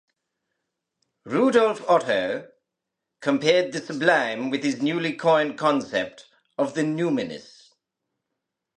Rudolf Otto compared the sublime with his newly coined concept of the numinous.